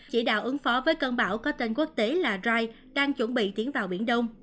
chỉ đạo ứng phó với cơn bão có tên quốc tế là rai đang chuẩn bị tiến vào biển đông